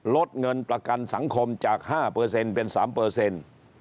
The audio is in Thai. ลดเงินประกันสังคมจาก๕เป็น๓